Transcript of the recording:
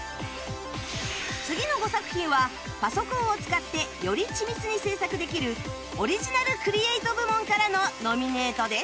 次の５作品はパソコンを使ってより緻密に制作できるオリジナルクリエイト部門からのノミネートです